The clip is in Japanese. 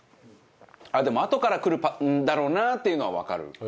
でも、あとからくるんだろうなっていうのはわかる。